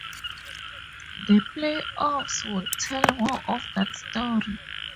The playoffs would tell more of that story.